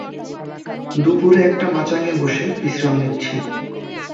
দুপুরে একটা মাচাঙে বসে বিশ্রাম নিচ্ছি।